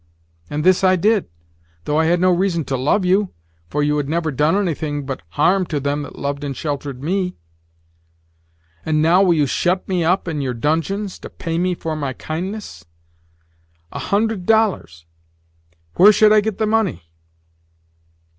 And this I did, though I had no reason to love you, for you had never done anything but harm to them that loved and sheltered me. And now, will you shut me up in your dungeons to pay me for my kindness? A hundred dollars! Where should I get the money?